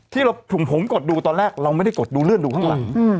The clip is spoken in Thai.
ที่ผมกดดูตอนแรกเราไม่ได้กดดูเลือดดูข้างหลัง